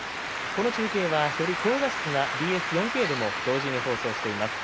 この中継はより鮮明なＢＳ４Ｋでも同時放送しています。